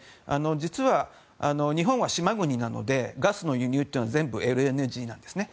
実は日本は島国なのでガスの輸入というのは全部、ＬＮＧなんですね。